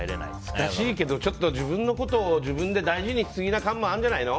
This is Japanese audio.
難しいけど、自分のことを大事にしすぎている感もあるんじゃないの。